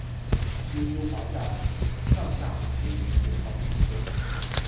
悠悠华夏史上下五千年炎黄子孙